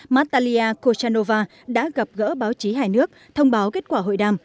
matalia kochanova đã gặp gỡ báo chí hải nước thông báo kết quả hội đàm